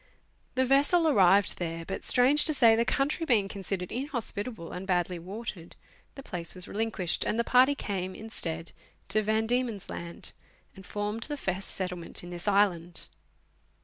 The vessels arrived there, but, strange to say, the country being considered inhospitable and badly watered, the place was relinquished, and the party came, instead, to Van Diemen's Laud, and formed the first settlement in this island.